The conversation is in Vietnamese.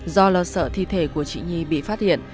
do lo sợ thi thể của chị nhi bị phát hiện